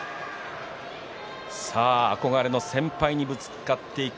憧れの先輩にぶつかっていく